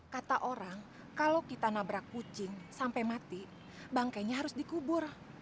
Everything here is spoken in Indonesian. kata orang kalau kita nabrak kucing sampai mati bangkainya harus dikubur